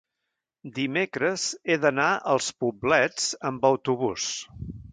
Dimecres he d'anar als Poblets amb autobús.